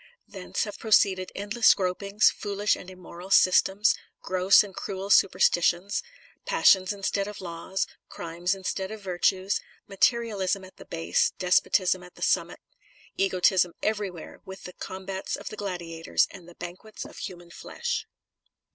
Thence have proceeded endless gropings, foolish and 276 The Sign of the Cross immoral systems, gross and cruel supersti tions, passions instead of laws, crimes instead of virtues, materialism at the base, despotism at the summit, egotism everywhere, with the combats of the gladiators, and the banquets of human flesh.